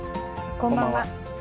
こんばんは。